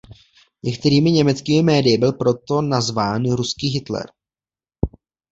Některými německými médii byl proto nazván „"Ruský Hitler"“.